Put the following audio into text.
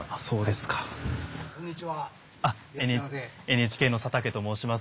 ＮＨＫの佐竹と申します。